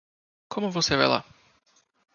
Como você vai lá?